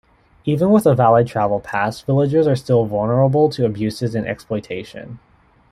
Even with a valid travel pass villagers are still vulnerable to abuses and exploitation.